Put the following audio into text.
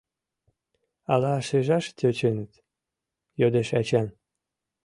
Ала шижаш тӧченыт? — йодеш Эчан.